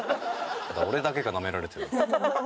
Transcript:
俺だけかなめられてるの。